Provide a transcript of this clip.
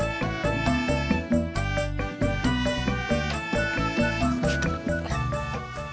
gak ada sih